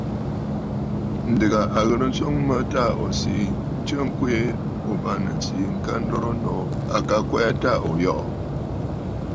Ǹdèghà a ghɨrə nswoŋ mə ta ò siʼi nstsə ŋkweè, ̀o bâŋnə̀ ǹsiʼi ŋka dorə nòô. À ka kwɛɛ ta ò yɔʼɔ.